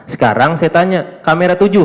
sekarang saya tanya kamera tujuh